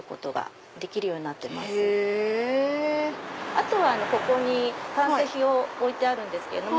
あとはここに完成品を置いてあるんですけれども。